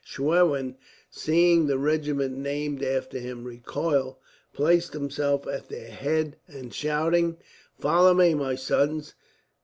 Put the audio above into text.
Schwerin, seeing the regiment named after him recoil, placed himself at their head; and shouting, "Follow me, my sons!"